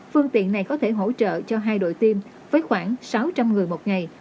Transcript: phương tiện này có thể hỗ trợ cho hai đội tiêm với khoảng sáu trăm linh người một ngày